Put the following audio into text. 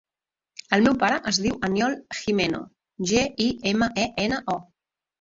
El meu pare es diu Aniol Gimeno: ge, i, ema, e, ena, o.